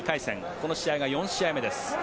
この試合が４試合目です。